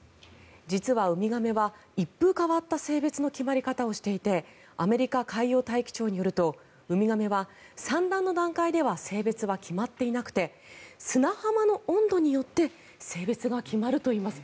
実はウミガメは一風変わった性別の決まり方をしていてアメリカ海洋大気庁によるとウミガメは産卵の段階では性別は決まっていなくて砂浜の温度によって性別が決まるといいます。